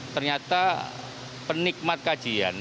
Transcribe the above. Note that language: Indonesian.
ternyata penikmat kajian